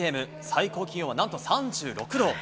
最高気温はなんと３６度。